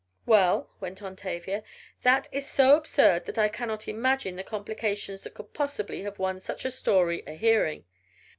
"Well," went on Tavia, "that is so absurd that I cannot imagine the complications that could possibly have won such a story a hearing.